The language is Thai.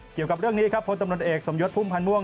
เกี่ยวกับเรื่องนี้ครับพลตำรวจเอกสมยศพุ่มพันธ์ม่วง